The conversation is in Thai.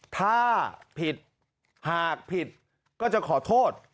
ถ้าผิดหากผิดก็จะขอโทษ